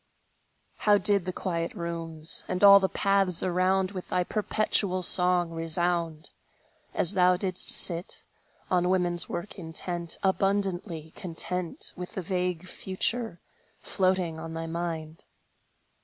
How did the quiet rooms, And all the paths around, With thy perpetual song resound, As thou didst sit, on woman's work intent, Abundantly content With the vague future, floating on thy mind!